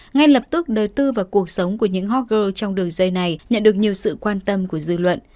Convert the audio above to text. ngay lập tức đối tư vào cuộc sống của những hot girl trong đường dây này nhận được nhiều sự quan tâm của dư luận